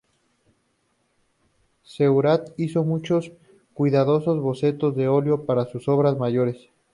Seurat hizo muchos cuidadosos bocetos al óleo para sus obras mayores.